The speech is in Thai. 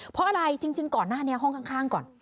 เพราะอะไรจริงก่อนหน้านี้ห้องข้างก่อน